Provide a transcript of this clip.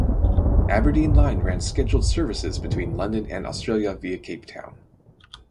Aberdeen Line ran scheduled services between London and Australia via Cape Town.